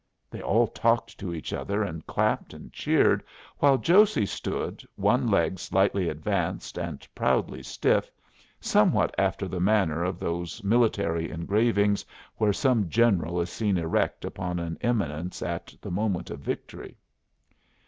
They all talked to each other, and clapped and cheered, while Josey stood, one leg slightly advanced and proudly stiff, somewhat after the manner of those military engravings where some general is seen erect upon an eminence at the moment of victory.